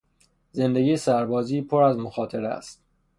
زندگی سربازی پر از مخاطره است.